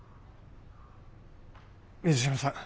水島さん